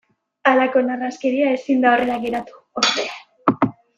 Halako narraskeria ezin da horrela geratu ordea.